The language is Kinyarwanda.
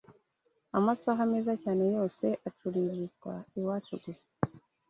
Amasaha meza cyane yose acuririzwa iwacu gusa